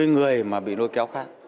người mà bị lôi kéo khác